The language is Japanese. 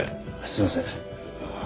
すいません。